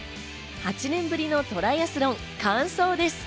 ８年ぶりのトライアスロン完走です。